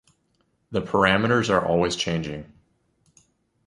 The parameters are always changing.